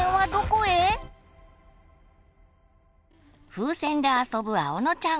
風船で遊ぶあおのちゃん。